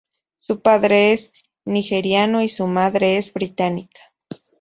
Su padre es nigeriano y su madre es británica.